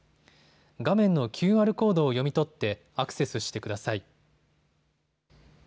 画面のＱＲコードを読み取ってアクセスしてください。